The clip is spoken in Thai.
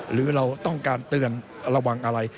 หรือเราต้องการเตือนระวังอะไร